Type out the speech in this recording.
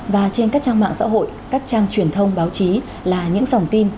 và trên các trang mạng xã hội các trang truyền thông báo chí là những dòng tin